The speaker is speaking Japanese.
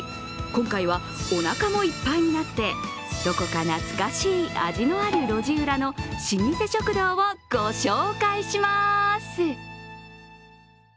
今回はおなかもいっぱいになってどこか懐かしい味のある路地裏の老舗食堂をご紹介します。